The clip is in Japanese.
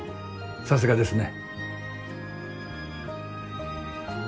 さすがですね。